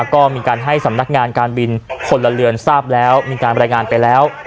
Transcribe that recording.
ก็มีการให้สำนักงานการบินพลเรือนทราบแล้วมีการบรรยายงานไปแล้ว